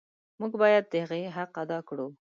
موږ باید د هغې حق ادا کړو.